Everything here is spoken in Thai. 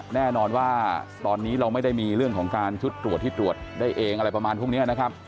แน่นอนว่าตอนนี้เราไม่ได้มีเรื่องของการชุดตรวจที่ตรวจได้เองอะไรประมาณพวกนี้นะครับ